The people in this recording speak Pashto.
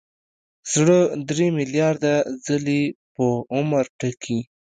زړه درې ملیارده ځلې په عمر ټکي.